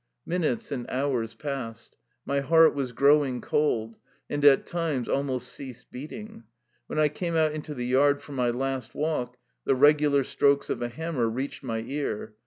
Minutes and hours passed. My heart was growing cold, and at times almost ceased beating. When I came out into the yard for my last walk the regular strokes of a ham mer reached my ear.